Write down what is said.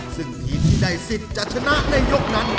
ซึ่งทีมที่ได้สิทธิ์จะชนะในยกนั้น